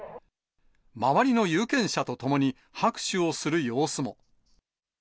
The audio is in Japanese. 周りの有権者と共に拍手をする様子も。